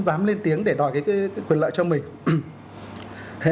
dám lên tiếng để đòi quyền lợi cho mình